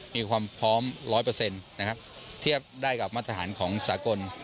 มีความพร้อมร้อยเปอร์เซ็นต์เทียบได้กับมาตรฐานของสากล